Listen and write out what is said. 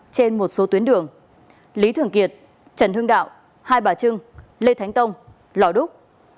trên một số tuyến đường lý thường kiệt trần hưng đạo hai bà trưng lê thánh tông lò đúc